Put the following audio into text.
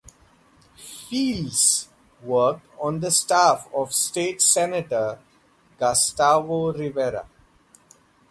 Feliz worked on the staff of State Senator Gustavo Rivera.